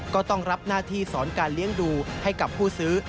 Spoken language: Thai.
ก็ต้องรับหน้าที่สอนการเลี้ยงดูให้กับผู้ซื้อ